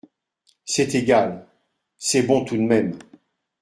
C'est égal … c'est bon tout de même …